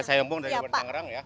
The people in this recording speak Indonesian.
saya empung dari bantang rang ya